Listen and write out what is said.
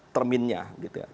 term nya gitu ya